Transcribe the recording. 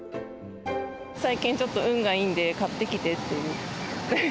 最近ちょっと運がいいんで、買ってきてって。